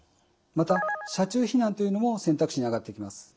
また車中避難というのも選択肢にあがってきます。